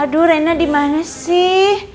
aduh rena dimana sih